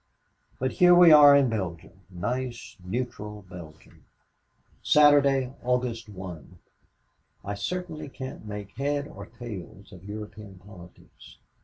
"But here we are in Belgium nice, neutral Belgium! "Saturday, Aug. 1. "I certainly can't make head or tail of European politics.